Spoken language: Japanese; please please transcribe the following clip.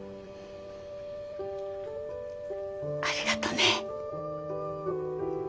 ありがとね。